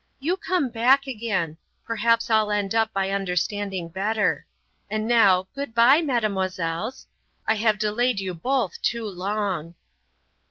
You come back again. Perhaps I'll end up by understanding better. And now, good bye, mesdemoiselles. I have delayed you both too long."